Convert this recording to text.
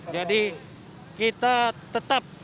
jadi kita tetap